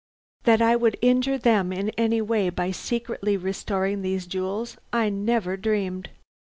"That I would injure them in any way by secretly restoring these jewels, I never dreamed.